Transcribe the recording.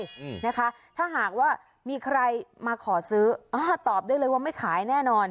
อืมนะคะถ้าหากว่ามีใครมาขอซื้ออ่าตอบได้เลยว่าไม่ขายแน่นอน